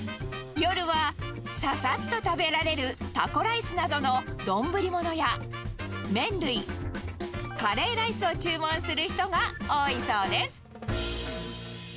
夜はささっと食べられるタコライスなどの丼物や麺類、カレーライスを注文する人が多いそうです。